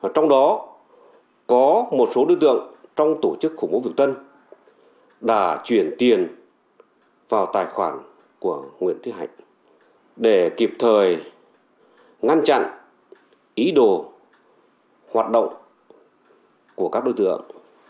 trong đó có một số đối tượng trong tổ chức khủng bố việt tân đã chuyển tiền vào tài khoản của nguyễn thúy hạnh để kịp thời ngăn chặn ý đồ hoạt động của các đối tượng